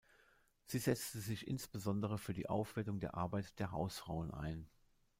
Sie setzte sich insbesondere für die Aufwertung der Arbeit der Hausfrauen ein.